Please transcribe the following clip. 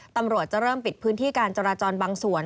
ตำรวจจะเริ่มปิดพื้นที่การจราจรบางส่วน